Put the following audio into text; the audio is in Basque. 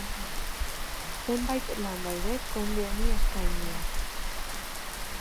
Zenbait lan daude konde honi eskainiak.